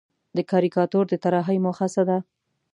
د کاریکاتور د طراحۍ موخه څه ده؟